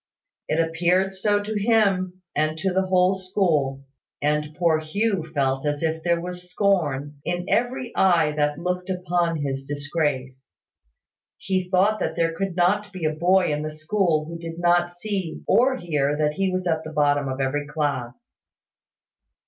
It appeared so to him, and to the whole school; and poor Hugh felt as if there was scorn in every eye that looked upon his disgrace. He thought there could not be a boy in the school who did not see or hear that he was at the bottom of every class.